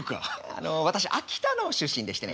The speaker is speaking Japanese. あの私秋田の出身でしてね。